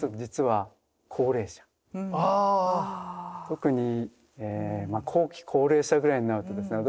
特にまあ後期高齢者ぐらいになるとですね